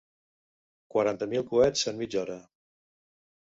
Quaranta mil coets en mitja hora.